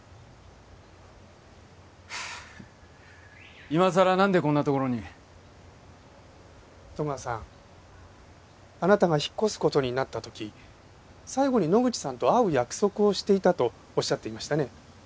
フフッ今更なんでこんな所に？戸川さんあなたが引っ越す事になった時最後に野口さんと会う約束をしていたとおっしゃっていましたね。